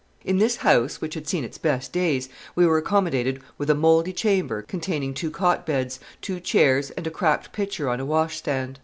In this house, which had seen its best days, we were accommodated with a mouldy chamber containing two cot beds, two chairs, and a cracked pitcher on a washstand.